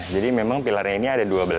jadi memang pilar ini ada dua belas